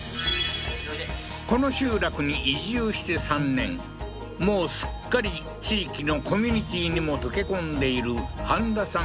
この集落に移住して３年もうすっかり地域のコミュニティーにも溶け込んでいる飯田さん